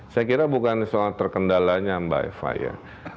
saya kira bukan soal terkendalanya mbak eva ya